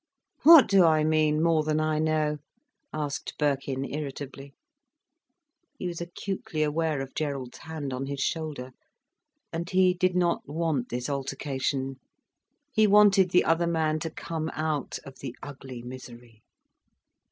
"What do I mean, more than I know?" asked Birkin irritably. He was acutely aware of Gerald's hand on his shoulder. And he did not want this altercation. He wanted the other man to come out of the ugly misery.